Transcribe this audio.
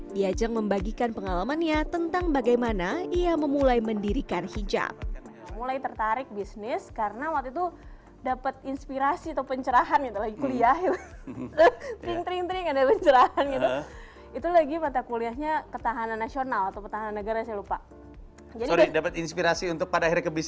diacong membagikan pengalamannya tentang bagaimana ia memulai mendirikan hijab